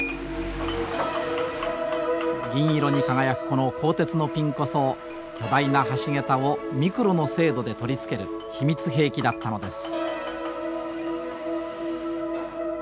銀色に輝くこの鋼鉄のピンこそ巨大な橋桁をミクロの精度で取り付ける秘密兵器だったのです。